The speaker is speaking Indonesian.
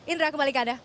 indra kembali ke anda